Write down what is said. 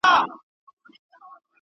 عقدې د نفرت تخم شیندي.